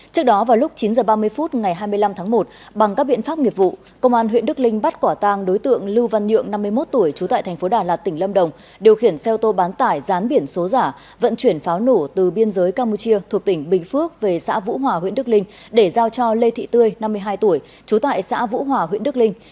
trước đó vào lúc chín h ba mươi phút ngày hai mươi năm tháng một bằng các biện pháp nghiệp vụ công an huyện đức linh bắt quả tang đối tượng lưu văn nhượng năm mươi một tuổi trú tại thành phố đà lạt tỉnh lâm đồng điều khiển xe ô tô bán tải rán biển số giả vận chuyển pháo nổ từ biên giới campuchia thuộc tỉnh bình phước về xã vũ hòa huyện đức linh để giao cho lê thị tươi năm mươi hai tuổi trú tại xã vũ hòa huyện đức linh